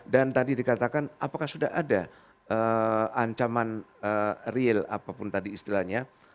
dan tadi dikatakan apakah sudah ada ancaman real apapun tadi istilahnya